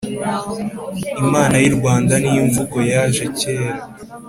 Imana y’irwanda nimvugo yaje kera